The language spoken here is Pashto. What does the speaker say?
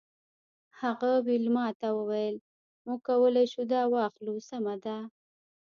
هغه ویلما ته وویل موږ کولی شو دا واخلو سمه ده